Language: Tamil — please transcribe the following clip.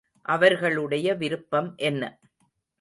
அவர்களுடைய விருப்பம் என்ன?